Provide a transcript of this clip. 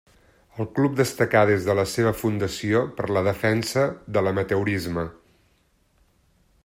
El club destacà des de la seva fundació per la defensa de l'amateurisme.